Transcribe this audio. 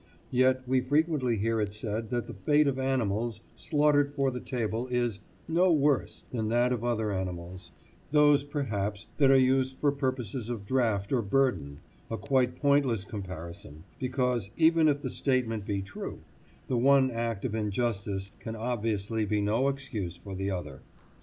Yet we frequently hear it said that the fate of animals slaughtered for the table is "no worse" than that of other animals—those perhaps that are used for purposes of draught or burden—a quite pointless comparison, because, even if the statement be true, the one act of injustice can obviously be no excuse for the other.